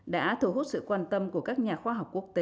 đã thu hút sự quan tâm của các nhà khoa học quốc tế